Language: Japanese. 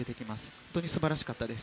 本当に素晴らしかったです。